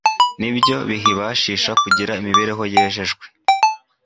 ni byo bihibashisha kugira imibereho yejejwe.